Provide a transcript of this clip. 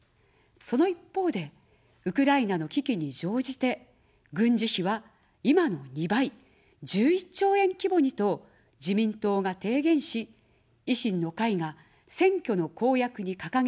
その一方で、ウクライナの危機に乗じて、軍事費は今の２倍、１１兆円規模にと自民党が提言し、維新の会が選挙の公約に掲げてあおっています。